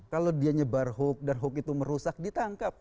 kalau dia nyebar hoax dan hoax itu merusak ditangkap